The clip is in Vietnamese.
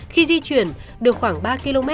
khi di chuyển được khoảng ba km